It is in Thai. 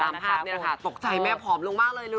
ตามภาพนี้ตกใจแมวฝอมลงมากเลย